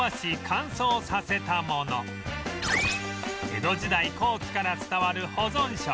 江戸時代後期から伝わる保存食